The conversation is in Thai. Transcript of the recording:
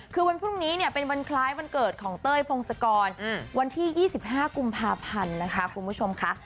คือวันพรุ่งนี้เนี่ยเป็นวันคล้ายวันเกิดของเต้ยพงศกรวันที่๒๕กุมภาพันธ์นะคะคุณผู้ชมค่ะ